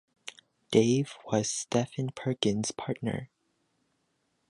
Dave was Stephen Perkins partner.